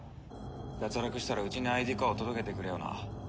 「脱落したらうちにＩＤコアを届けてくれよな」